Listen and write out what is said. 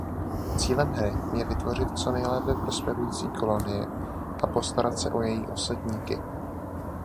Cílem hry je vytvořit co nejlépe prosperující kolonii a postarat se o její osadníky.